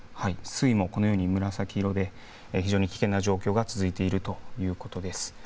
水位もこのように、紫色で、非常に危険な状況が続いているということです。